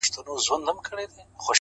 • له اغيار سره يې كړي پيوندونه,